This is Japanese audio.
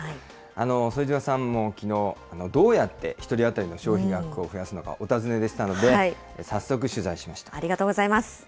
副島さんもきのう、どうやって１人当たりの消費額を増やすのかお尋ねでしたので、早速、取材しました。